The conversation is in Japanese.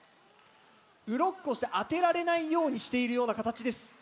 ブロックをして当てられないようにしているような形です。